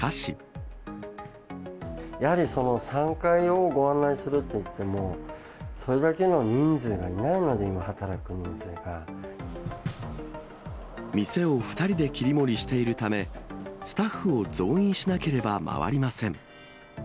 やはり３階をご案内するっていっても、それだけの人数がいないので、今、店を２人で切り盛りしているため、スタッフを増員しなければ回りません。